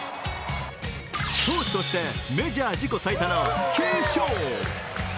投手としてメジャー自己最多の９勝。